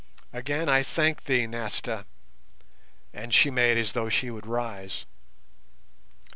Again I thank thee, Nasta," and she made as though she would rise.